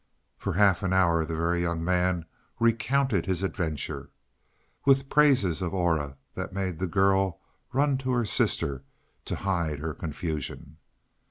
For half an hour the Very Young Man recounted his adventure, with praises of Aura that made the girl run to her sister to hide her confusion.